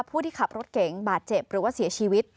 ผู้ที่ขับรถเก๋งบาดเจ็บหรือว่าเสียชีวิต